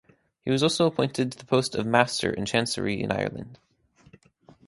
He was also appointed to the post of Master in Chancery in Ireland.